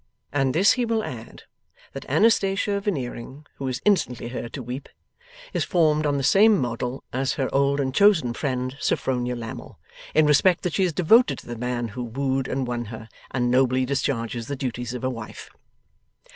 And this he will add; that Anastatia Veneering (who is instantly heard to weep) is formed on the same model as her old and chosen friend Sophronia Lammle, in respect that she is devoted to the man who wooed and won her, and nobly discharges the duties of a wife.